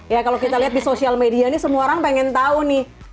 ya kalau kita lihat di sosial media ini semua orang pengen tahu nih